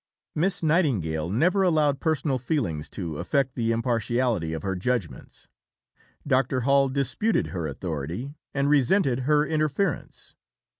Miss Nightingale never allowed personal feeling to affect the impartiality of her judgments. Dr. Hall disputed her authority and resented her interference.